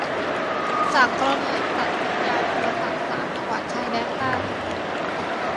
จากกรณีตัดสัญญาณโทรศัพท์สามจังหวัดชายแดนใต้